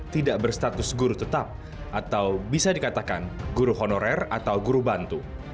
tidak berstatus guru tetap atau bisa dikatakan guru honorer atau guru bantu